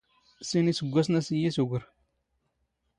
ⵙⵉⵏ ⵉⵙⴳⴳⵯⴰⵙⵏ ⴰ ⵙ ⵉⵢⵉ ⵜⵓⴳⵔ